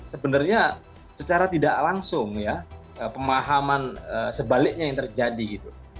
sebenarnya secara tidak langsung ya pemahaman sebaliknya yang terjadi gitu